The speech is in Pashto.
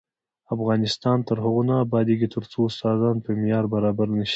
افغانستان تر هغو نه ابادیږي، ترڅو استادان په معیار برابر نشي.